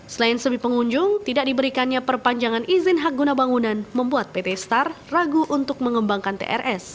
selain sepi pengunjung tidak diberikannya perpanjangan izin hak guna bangunan membuat pt star ragu untuk mengembangkan trs